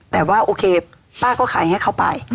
แต่ว่าโอเคป้าก็ขายให้เขาไป